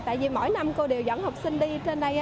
tại vì mỗi năm cô đều dẫn học sinh đi trên đây